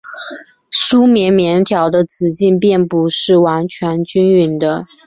梳棉棉条的直径并不是完全均匀的。